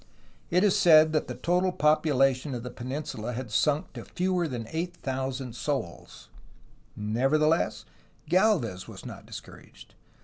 It is said that the total population of the peninsula had sunk to fewer than 8000 souls. Nevertheless Galvez was not discouraged.